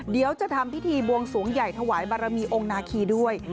เดี๋ยวจะทำพิธีบวงสวงใหญ่ถวายบารมีองค์นาคีด้วย